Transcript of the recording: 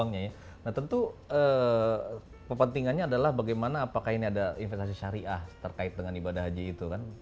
nah tentu kepentingannya adalah bagaimana apakah ini ada investasi syariah terkait dengan ibadah haji itu kan